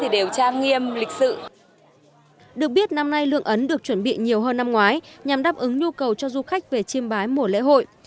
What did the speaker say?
được biết năm nay lượng ấn được chuẩn bị nhiều hơn năm ngoái nhằm đáp ứng nhu cầu cho du khách về chiêm bái mùa lễ hội